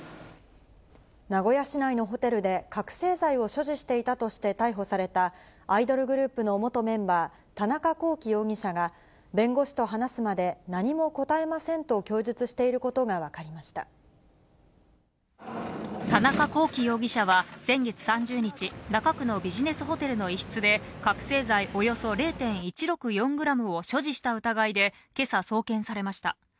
名古屋市内のホテルで覚醒剤を所持していたとして逮捕された、アイドルグループの元メンバー、田中聖容疑者が、弁護士と話すまで何も答えませんと供述していることが分かりまし田中聖容疑者は先月３０日、中区のビジネスホテルの一室で、覚醒剤およそ０．１６４グラムを所持した疑いで、けさ、送検されました。